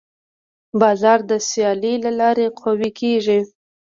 بازار د سیالۍ له لارې قوي کېږي.